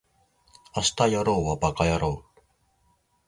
明日やろうはバカやろう